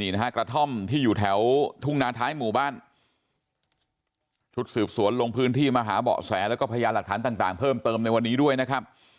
นี่นะฮะกระท่อมที่อยู่แถวทุ่งนาท้ายหมู่บ้านชุดสืบสวนลงพื้นที่มาหาเบาะแสแล้วก็พยานหลักฐานต่างเพิ่มเติมในวันนี้ด้วยนะครับ